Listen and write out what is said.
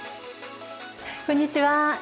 こんにちは。